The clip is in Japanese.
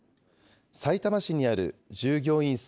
さいたま市にある従業員数